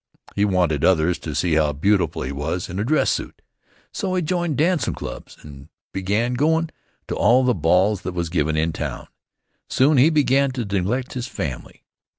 He wanted others to see how beautiful he was in a dress suit; so he joined dancin' clubs and began goin' to all the balls that was given in town. Soon he began to neglect his family.